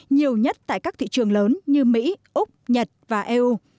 nhiều nhất tại các thị trường lớn như mỹ úc nhật và eu